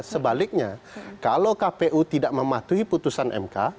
sebaliknya kalau kpu tidak mematuhi putusan mk